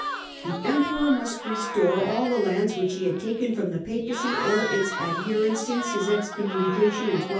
The Emperor must restore all the lands which he had taken from the Papacy or its adherents since his excommunication in 1239.